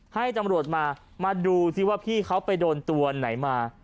ให้ตำรวจมามาดูสิว่าพี่เขาไปโดนตัวไหนมา